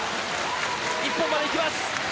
一本まで行きます！